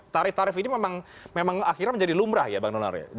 tarif tarif ini memang memang akhirnya menjadi lumrah ya bang nola exercising me